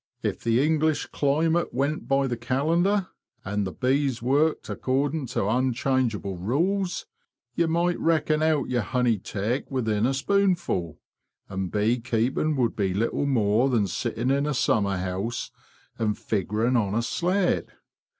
If the English climate went by the calendar, and the bees worked according to unchangeable rules, you might reckon out your honey take within a spoonful, and bee keeping would be little more than sitting in a summer house and figuring on a slate.